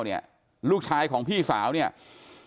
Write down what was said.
จนกระทั่งหลานชายที่ชื่อสิทธิชัยมั่นคงอายุ๒๙เนี่ยรู้ว่าแม่กลับบ้าน